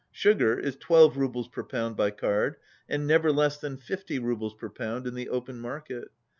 Sugar is 12 roubles per pound by card, and never less than 50 roubles per pound in the open market.